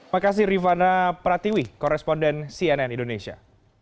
makasih rifana pratiwi koresponden cnn indonesia